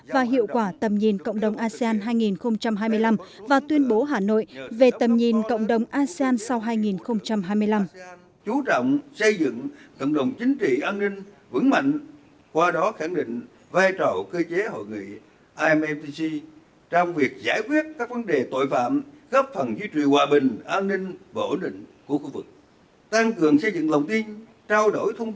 và hiệu quả tầm nhìn cộng đồng asean hai nghìn hai mươi năm và tuyên bố hà nội về tầm nhìn cộng đồng asean sau hai nghìn hai mươi năm